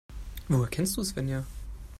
Woher kennst du Svenja?